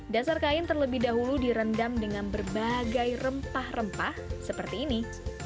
dasar kain terlebih dahulu direndam dengan berbagai rempah rempah seperti ini